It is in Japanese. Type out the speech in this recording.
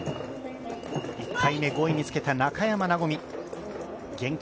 １回目５位につけた中山和。